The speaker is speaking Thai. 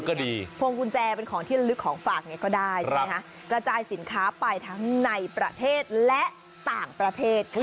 ก็ดีพวงกุญแจเป็นของที่ละลึกของฝากเนี่ยก็ได้ใช่ไหมคะกระจายสินค้าไปทั้งในประเทศและต่างประเทศ